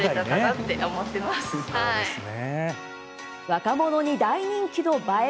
若者に大人気の映え